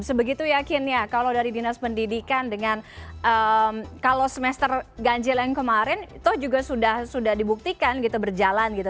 sebegitu yakinnya kalau dari dinas pendidikan dengan kalau semester ganjil yang kemarin itu juga sudah dibuktikan gitu berjalan gitu